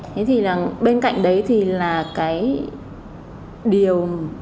thế thì bên cạnh đấy thì là cái điều